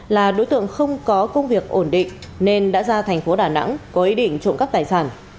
là đối tượng không có công việc ổn định nên đã ra thành phố đà nẵng có ý định trộm cắp tài sản